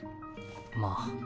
まあ。